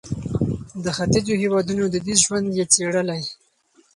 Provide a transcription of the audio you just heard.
د ختیځو هېوادونو دودیز ژوند یې څېړلی.